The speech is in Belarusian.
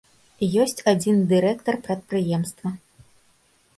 Ёсць адзін дырэктар прадпрыемства.